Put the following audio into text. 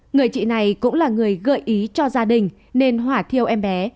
người chị này cũng là người gợi ý cho gia đình nên hỏa theo em bé